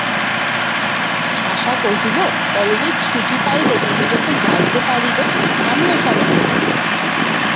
আশা কহিল, কালেজের ছুটি পাইলে তুমি যখন যাইতে পারিবে, আমিও সঙ্গে যাইব।